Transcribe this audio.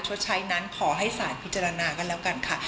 ชดใช้นั้นขอให้สารพิจารณากันแล้วกันค่ะ